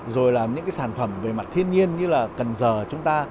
rồi là những cái sản phẩm về mặt thiên nhiên như là cần giờ chúng ta